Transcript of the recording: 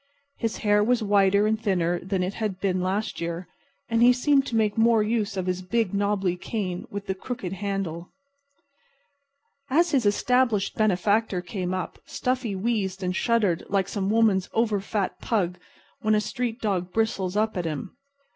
His hair was whiter and thinner than it had been last year, and he seemed to make more use of his big, knobby cane with the crooked handle. As his established benefactor came up Stuffy wheezed and shuddered like some woman's over fat pug when a street dog bristles up at him.